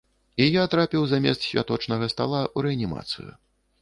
І я трапіў замест святочнага стала ў рэанімацыю.